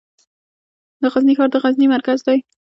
د غزني ښار د غزني مرکز دی